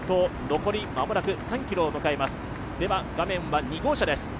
残りまもなく３ｋｍを迎えます。